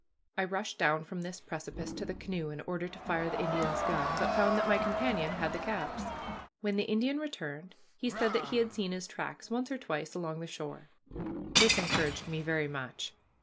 I rushed down from this precipice to the canoe in order to fire the Indian's gun, but found that my companion had the caps. When the Indian returned he said that he had seen his tracks once or twice along the shore. This encouraged me very much.